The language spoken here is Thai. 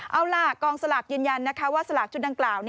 เอาล่ะกองสลากยืนยันนะคะว่าสลากชุดดังกล่าว